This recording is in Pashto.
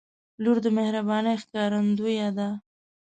• لور د مهربانۍ ښکارندوی ده.